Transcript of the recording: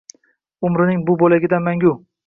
u umrning bu boʻlagidan manguga judo boʻldi